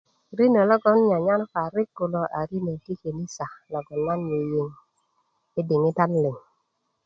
rinö logoŋ 'nnyanyar parik kulo a rinö ti kenisa logoŋ na yiyiŋ i diŋitan liŋ